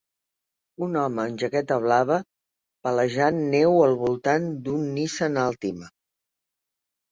Un home amb jaqueta blava palejant neu al voltant d'un Nissan Altima.